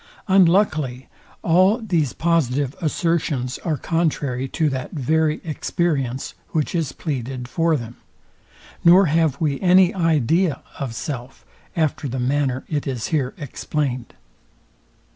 Unluckily all these positive assertions are contrary to that very experience, which is pleaded for them, nor have we any idea of self, after the manner it is here explained.